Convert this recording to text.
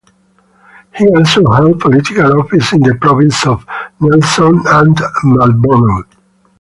He also held political office in the provinces of Nelson and Marlborough.